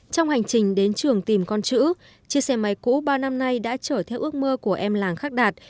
trong hành trình đến trường tìm con chữ chiếc xe máy cũ ba năm nay đã trở theo ước mơ của em làng khắc đạt